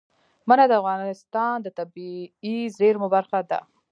منی د افغانستان د طبیعي زیرمو برخه ده.